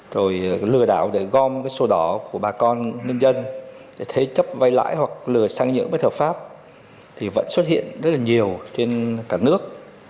rồi lừa đảo để gom cái số đỏ của bà con nhân dân để thế chấp vay lãi hoặc lừa sang nhượng bất hợp pháp thì vẫn xuất hiện rất là nhiều trên cả nước